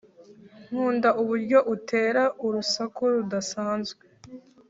nkunda uburyo utera urusaku rudasanzwe